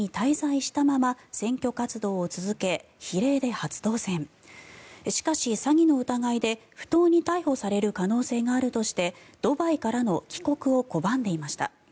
しかし、詐欺の疑いで不当に逮捕される可能性があるとしてドバイからの帰国を拒んでいました。